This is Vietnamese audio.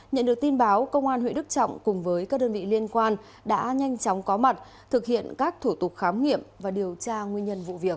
nhận được tin báo công an huyện đức trọng cùng với các đơn vị liên quan đã nhanh chóng có mặt thực hiện các thủ tục khám nghiệm và điều tra nguyên nhân vụ việc